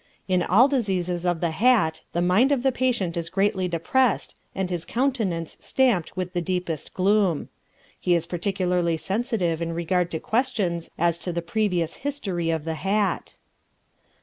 In all diseases of the hat the mind of the patient is greatly depressed and his countenance stamped with the deepest gloom. He is particularly sensitive in regard to questions as to the previous history of the hat.